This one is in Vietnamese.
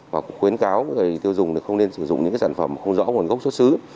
và cũng khuyến cáo người tiêu dùng không nên sử dụng những sản phẩm không rõ nguồn gốc xuất xứ